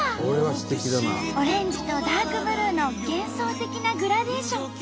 オレンジとダークブルーの幻想的なグラデーション。